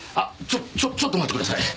ちょっとちょっと待ってくださいね。